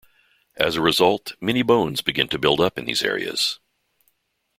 As a result, many bones began to build up in these areas.